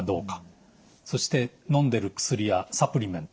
そしてのんでる薬やサプリメント。